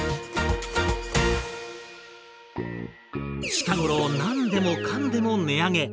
近頃何でもかんでも値上げ。